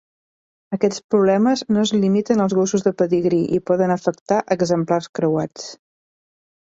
Aquests problemes no es limiten als gossos de pedigrí i poden afectar exemplars creuats.